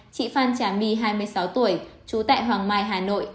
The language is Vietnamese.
chị phan trà my hai mươi sáu tuổi trú tại hoàng mai hà nội